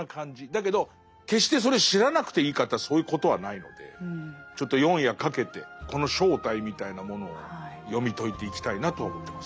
だけど決してそれを知らなくていいかっていったらそういうことはないのでちょっと４夜かけてこの正体みたいなものを読み解いていきたいなと思ってます。